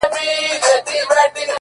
• شپه سوه تېره پر اسمان ختلی لمر دی,